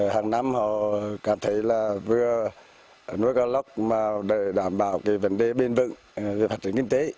hàng năm họ cảm thấy là vừa nuôi cá lóc để đảm bảo vấn đề biên vựng về phát triển kinh tế